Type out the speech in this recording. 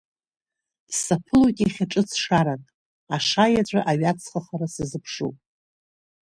Саԥылоит иахьа ҿыц шарак, ашаеҵәа аҩаҵхахара сазыԥшуп.